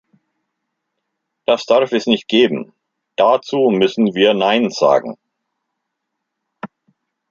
Das darf es nicht geben, dazu müssen wir Nein sagen.